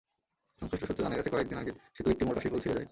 সংশ্লিষ্ট সূত্রে জানা গেছে, কয়েক দিন আগে সেতুর একটি মোটা শিকল ছিঁড়ে যায়।